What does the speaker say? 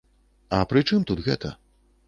А пры чым тут гэта?